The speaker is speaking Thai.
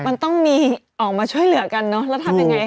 มันต้องมีออกมาช่วยเหลือกันเนอะแล้วทำยังไง